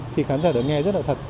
thì khán giả đã nghe rất là thật